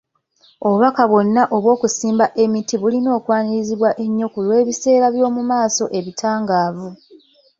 Obubaka bwonna obw'okusimba emiti bulina okwanirizibwa ennyo ku lw'ebiseera by'omu maaso ebitangaavu.